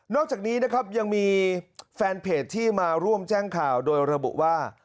อกจากนี้นะครับยังมีแฟนเพจที่มาร่วมแจ้งข่าวโดยระบุว่า